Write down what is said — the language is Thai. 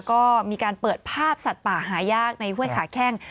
ก็มีการเปิดภาพสัตว์ป่าหายากในห้วยขาแข้ง